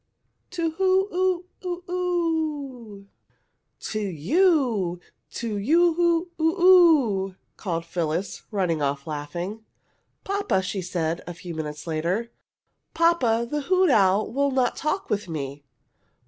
To who ooo oo oo?" "To you! To you oo oo oo!" called Phyllis, running off laughing. "Papa," she said, a few moments later. "Papa, the hoot owl would not talk with me!"